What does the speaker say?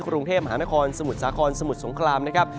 กรุงเทพมหานครสมุทรสาครสมุทรสงครามนะครับ